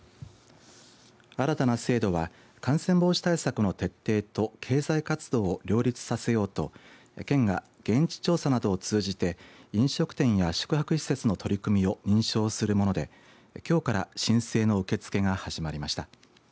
新たな制度は感染防止対策の徹底と経済活動を両立させようと県が現地調査などを通じて飲食店や宿泊施設の取り組みを認証するものできょうから申請の受け付けが始まりました。